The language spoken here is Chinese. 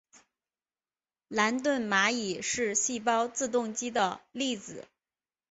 兰顿蚂蚁是细胞自动机的例子。